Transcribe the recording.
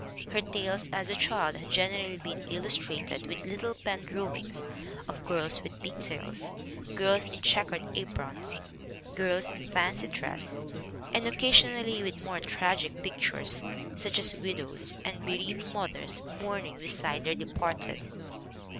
Her tales as a child had generally been illustrated with little pen drawings of girls with pigtails, girls in check ered aprons, girls in fancy dress, "and occasionally with more tragic pictures, such as widows and be reaved mothers mourning beside their departed.